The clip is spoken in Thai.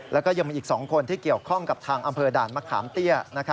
แล้วก็ยังมีอีก๒คนที่เกี่ยวข้องกับทางอำเภอด่านมะขามเตี้ย